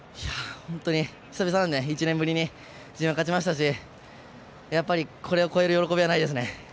本当に久々なんで１年ぶりにＧＩ勝ちましたのでやっぱり、これを越える喜びはないですね。